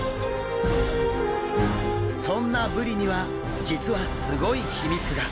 そんなブリには実はすごい秘密が！